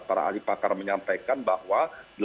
para ahli pakar menyampaikan bahwa